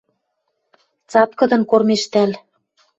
Цаткыдын кормежтӓл